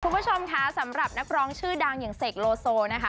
คุณผู้ชมค่ะสำหรับนักร้องชื่อดังอย่างเสกโลโซนะคะ